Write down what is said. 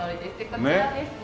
こちらですね